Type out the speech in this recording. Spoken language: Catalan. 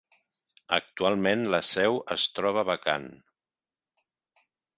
Actualment la seu es troba vacant.